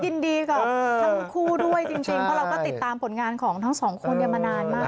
ผมยินดีครับทั้งคู่ด้วยจริงเพราะเราก็ติดตามผลงานก็มานานมาก